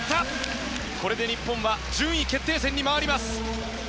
これで、日本は順位決定戦に回ります。